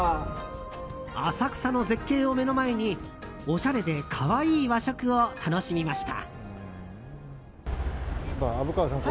浅草の絶景を目の前におしゃれで可愛い和食を楽しみました。